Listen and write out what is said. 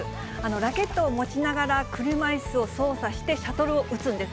ラケットを持ちながら、車いすを操作して、シャトルを打つんです。